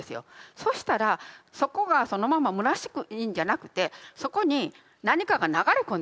そしたらそこがそのままむなしいんじゃなくてそこに何かが流れ込んでくる。